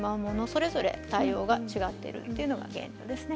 それぞれ対応が違っているというのが現状ですね。